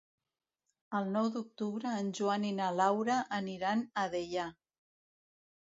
El nou d'octubre en Joan i na Laura aniran a Deià.